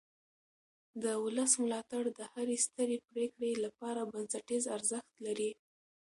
د ولس ملاتړ د هرې سترې پرېکړې لپاره بنسټیز ارزښت لري